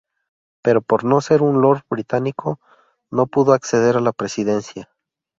Pero por no ser un lord británico, no pudo acceder a la presidencia.